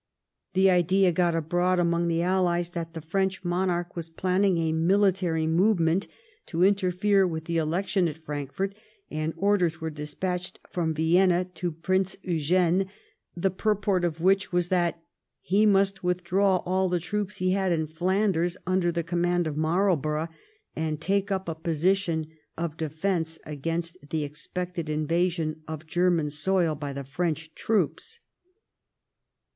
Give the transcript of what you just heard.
The idea got abroad among the Allies that the French monarch was planning a military move ment to interfere with the election at Frankfort, and orders were despatched from Vienna to Prince Eugene, the purport of which was that he must with draw all the troops he had in Flanders under the command of Marlborough, and take up a position of defence against the expected invasion of German soil by the French troops.